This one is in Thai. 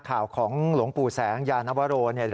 ข่าวของหลวงปู่แสงยานวโร